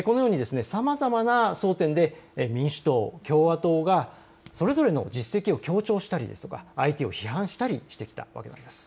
さまざまな争点で民主党、共和党がそれぞれの実績を強調したりですとか相手を批判したりしてきたわけです。